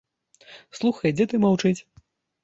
Слухае дзед і маўчыць.